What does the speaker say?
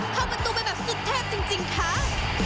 เข้าประตูไปแบบสุดเทพจริงค่ะ